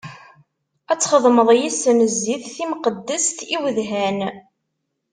Ad txedmeḍ yis-sen zzit timqeddest i udhan.